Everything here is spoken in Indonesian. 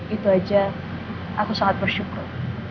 itu aja aku sangat bersyukur